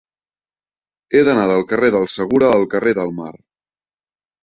He d'anar del carrer del Segura al carrer del Mar.